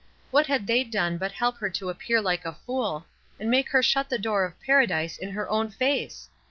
What had they done but help her to appear like a fool, and make her shut the door of paradise in her own face?